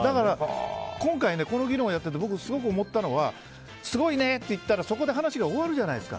今回、この議論をやっていてすごく思ったのはすごいね！って言ったらそこで話が終わるじゃないですか。